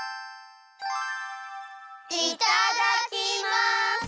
いただきます！